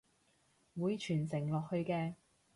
會傳承落去嘅！